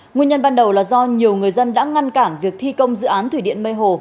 nguyên nhân ban đầu là do nhiều người dân đã ngăn cản việc thi công dự án thủy điện mê hồ